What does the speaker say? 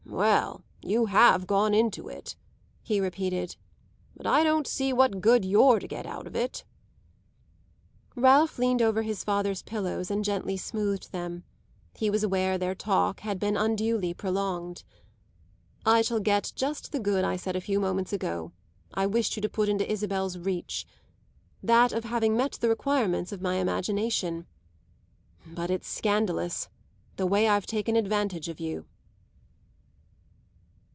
"Well, you have gone into it!" he repeated. "But I don't see what good you're to get of it." Ralph leaned over his father's pillows and gently smoothed them; he was aware their talk had been unduly prolonged. "I shall get just the good I said a few moments ago I wished to put into Isabel's reach that of having met the requirements of my imagination. But it's scandalous, the way I've taken advantage of you!"